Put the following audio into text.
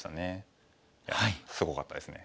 すごかったですね。